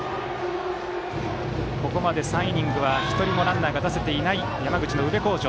ここまで３イニングは１人もランナーが出せていない山口の宇部鴻城。